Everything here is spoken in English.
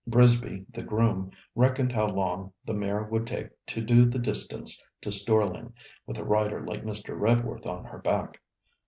Brisby, the groom, reckoned how long the mare would take to do the distance to Storling, with a rider like Mr. Redworth on her back.